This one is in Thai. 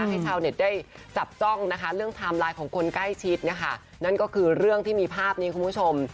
ให้ชาวเน็ตได้จับจ้องนะคะเรื่องไทม์ไลน์ของคนใกล้ชิดนะคะนั่นก็คือเรื่องที่มีภาพนี้คุณผู้ชม